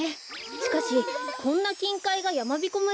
しかしこんなきんかいがやまびこ村で。